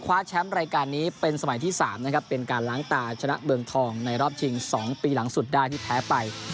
แชมป์รายการนี้เป็นสมัยที่๓นะครับเป็นการล้างตาชนะเมืองทองในรอบชิง๒ปีหลังสุดได้ที่แพ้ไป